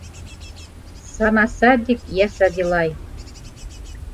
Сама садик я садилай